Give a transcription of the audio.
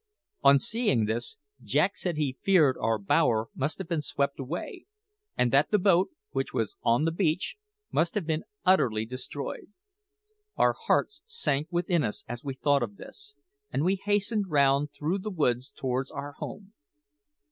On seeing this, Jack said he feared our bower must have been swept away, and that the boat, which was on the beach, must have been utterly destroyed. Our hearts sank within us as we thought of this, and we hastened round through the woods towards our home.